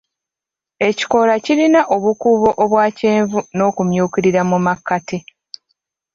Ekikoola kirina obukuubo obwa kyenvu n'okumyukirira mu makkati.